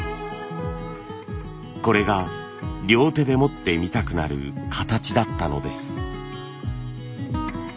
これが両手で持ってみたくなる形だったのです。